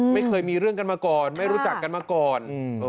ไม่เคยมีเรื่องกันมาก่อนไม่รู้จักกันมาก่อน